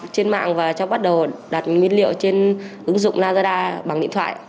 cháu bắt đầu đặt nguyên liệu trên ứng dụng lazada bằng điện thoại